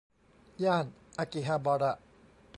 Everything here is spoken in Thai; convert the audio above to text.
ย่านอากิฮาบาระ